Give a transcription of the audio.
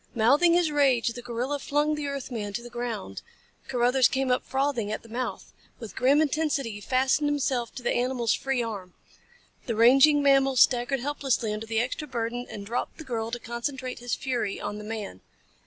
Mouthing his rage, the gorilla flung the earth man to the ground. Carruthers came up frothing at the mouth. With grim intensity he fastened himself to the animal's free arm. The raging mammal staggered helplessly under the extra burden and dropped the girl to concentrate his fury on the man.